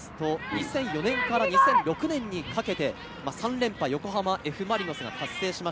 連覇というところでいうと、２００４年から２００６年にかけて３連覇、横浜Ｆ・マリノスが達成。